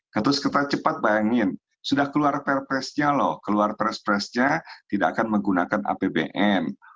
terus kereta cepat bayangin sudah keluar perpresnya loh keluar perspresnya tidak akan menggunakan apbn